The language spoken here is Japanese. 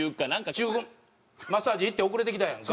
中国マッサージ行って遅れてきたやんか。